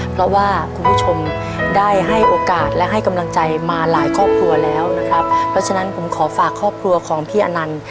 เพราะว่าคุณผู้ชมได้ให้โอกาสและให้กำลังใจมาหลายครอบครัวแล้วนะครับเพราะฉะนั้นผมขอฝากครอบครัวของพี่อนันต์